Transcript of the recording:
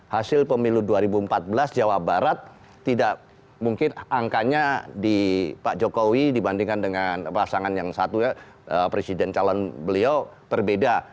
hasil pemilu dua ribu empat belas jawa barat tidak mungkin angkanya di pak jokowi dibandingkan dengan pasangan yang satu ya presiden calon beliau berbeda